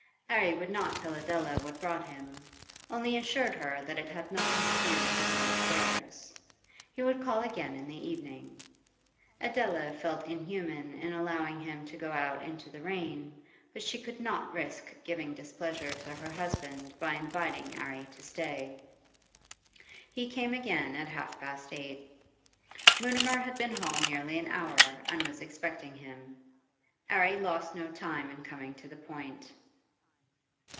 'Arry would not tell Adela what brought him, only assured her that it had nothing to do with his own affairs. He would call again in the evening. Adela felt inhuman in allowing him to go out into the rain, but she could not risk giving displeasure to her husband by inviting 'Arry to stay. He came again at half past eight. Mutimer had been home nearly an hour and was expecting him. 'Arry lost no time in coming to the point.